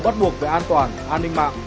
bắt buộc về an toàn an ninh mạng